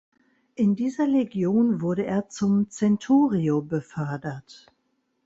In dieser Legion wurde er zum Centurio befördert.